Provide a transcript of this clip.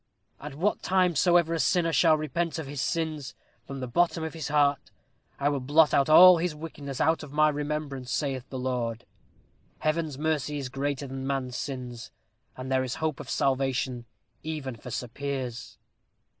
'At what time soever a sinner shall repent him of his sins, from the bottom of his heart, I will blot out all his wickedness out of my remembrance, saith the Lord.' Heaven's mercy is greater than man's sins. And there is hope of salvation even for Sir Piers."